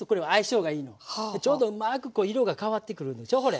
ちょうどうまくこう色が変わってくるでしょほれ。